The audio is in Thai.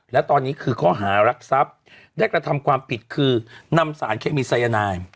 และตอนนี้คือข้อหารักทรัพย์ได้กระทำความผิดคือนำสารเคมีสายนาย